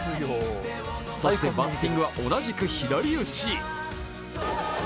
そしてバッティングは同じく左打ち。